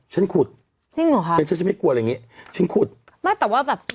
ฉันขุดจริงเหรอคะเป็นฉันฉันไม่กลัวอะไรอย่างงี้ฉันขุดไม่แต่ว่าแบบ